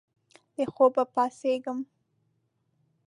د خوب پاڅیږې